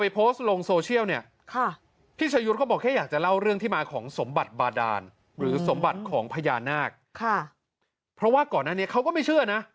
เพราะว่าก่อนหน้านี้เขาก็ไม่เชื่อนะ